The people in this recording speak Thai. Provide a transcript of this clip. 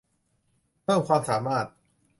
เพิ่มความสามารถ